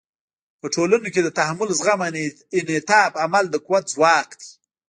په ټولنو کې د تحمل، زغم او انعطاف عمل د قوت ځواک دی.